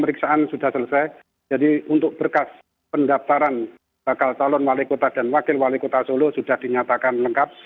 pemeriksaan sudah selesai jadi untuk berkas pendaftaran bakal calon wali kota dan wakil wali kota solo sudah dinyatakan lengkap